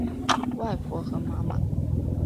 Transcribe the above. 外婆和妈妈